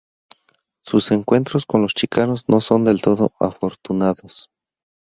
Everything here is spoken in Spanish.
Sus encuentros con los chicanos no son del todo afortunados.